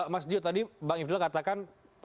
mas jiw tadi bang ifdula katakan